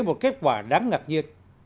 có kết quả đáng ngạc nhiên